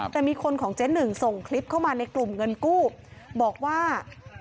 แต่มีคนของเจ๊หนึ่งส่งคลิปเข้ามาในกลุ่มเงินกู้บอกว่า